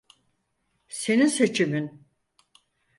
Senin seçimin.